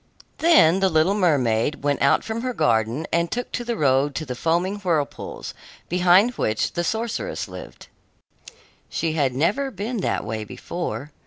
Then the little mermaid went out from her garden and took the road to the foaming whirlpools, behind which the sorceress lived. She had never been that way before.